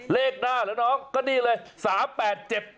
เลขหน้าเหรอน้องก็นี่เลย๓๘๗